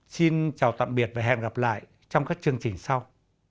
xin chào tạm biệt và hẹn gặp lại trong các chương trình sau